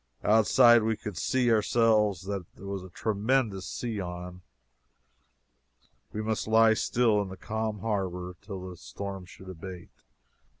"Outside" we could see, ourselves, that there was a tremendous sea on. We must lie still, in the calm harbor, till the storm should abate.